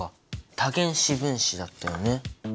多原子分子だったよね。